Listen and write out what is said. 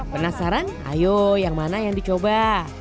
penasaran ayo yang mana yang dicoba